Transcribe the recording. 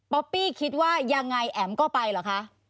ปี้คิดว่ายังไงแอ๋มก็ไปเหรอคะ